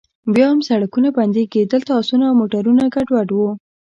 بیا هم سړکونه بندیږي، دلته اسونه او موټرونه ګډوډ و.